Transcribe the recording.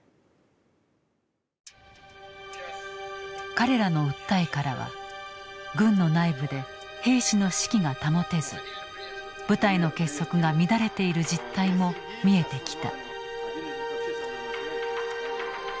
彼らの訴えからは軍の内部で兵士の士気が保てず部隊の結束が乱れている実態も見えてきた。